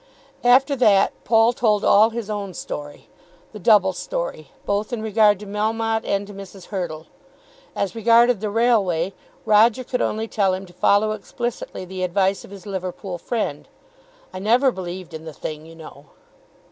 After that Paul told all his own story, the double story, both in regard to Melmotte and to Mrs. Hurtle. As regarded the Railway, Roger could only tell him to follow explicitly the advice of his Liverpool friend. "I never believed in the thing, you know."